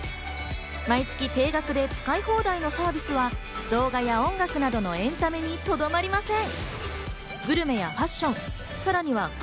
毎月定額で使い放題のサービスは動画や音楽などのエンタメにとどまりません。